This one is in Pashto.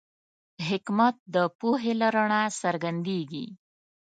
حکمت د پوهې له رڼا څرګندېږي.